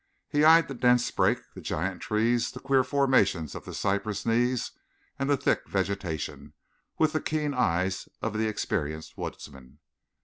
He eyed the dense brake, the giant trees, the queer formations of the cypress knees, and the thick vegetation, with the keen eyes of the experienced woodsman.